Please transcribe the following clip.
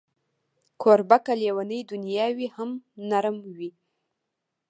کوربه که لېونۍ دنیا وي، هم نرم وي.